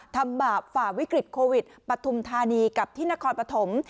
บาปฝ่าวิกฤตโควิดปฐุมธานีกับที่นครปฐม